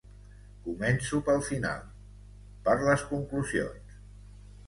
Començo pel final, per les conclusions.